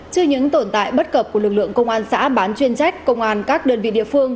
trừ những tồn tại bất cập của lực lượng công an xã bán chuyên trách công an các đơn vị địa phương